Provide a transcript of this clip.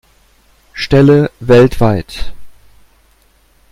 Stelle weltweit.